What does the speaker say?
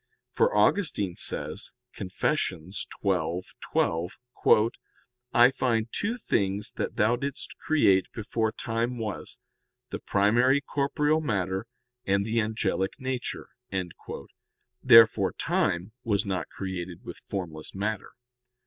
For Augustine says (Confess. xii, 12): "I find two things that Thou didst create before time was, the primary corporeal matter, and the angelic nature. "Therefore time was not created with formless matter.